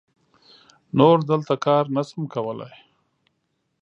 نور دلته کار نه سم کولای.